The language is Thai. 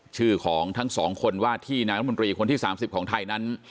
ชื่อของทั้งสองคนว่าที่นายรัฐมนตรีคนที่๓๐ของไทยนั้น